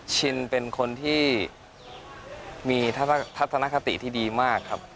ชินเป็นคนที่มีทัศนคติที่ดีมากครับ